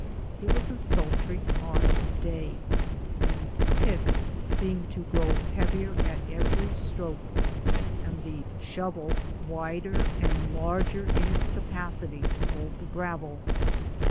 It was a sultry autumn day. The "peek" seemed to grow heavier at every stroke and the "shuvle" wider and larger in its capacity to hold the gravel.